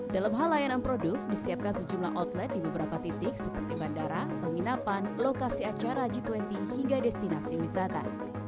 dalam hal layanan produk disiapkan sejumlah outlet di beberapa titik seperti bandara penginapan lokasi acara g dua puluh hingga destinasi wisata